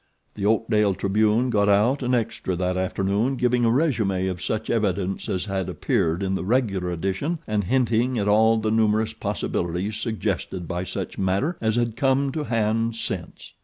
The Oakdale Tribune got out an extra that afternoon giving a resume of such evidence as had appeared in the regular edition and hinting at all the numerous possibilities suggested by such matter as had come to hand since.